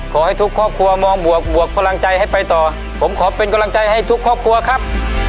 ขอให้ทุกครอบครัวมองบวกบวกพลังใจให้ไปต่อผมขอเป็นกำลังใจให้ทุกครอบครัวครับ